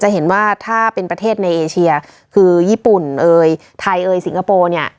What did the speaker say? เห็นว่าถ้าเป็นประเทศในเอเชียคือญี่ปุ่นเอ่ยไทยเอ่ยสิงคโปร์เนี่ย